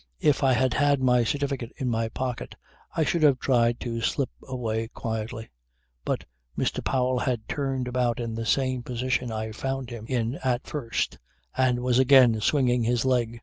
If I had had my certificate in my pocket I should have tried to slip away quietly; but Mr. Powell had turned about into the same position I found him in at first and was again swinging his leg.